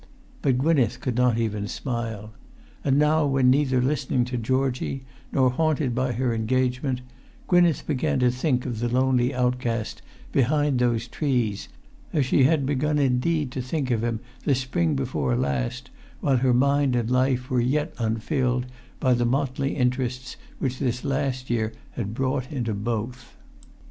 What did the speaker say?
But Gwynneth could not even smile. And now when neither listening to Georgie nor haunted by her engagement, Gwynneth began to think of the lonely outcast behind those trees, as she had begun indeed to think of him the spring before last, while her mind and life were yet unfilled by the motley interests which this last year had brought into both.